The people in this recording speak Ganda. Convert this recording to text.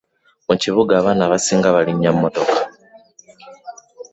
Mukibuga abaana abasinga balinya mmotoka.